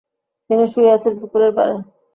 তিনি শুয়ে আছেন পুকুরের পাড়ে।